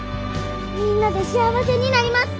みんなで幸せになります！